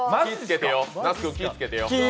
那須君、気をつけてよ。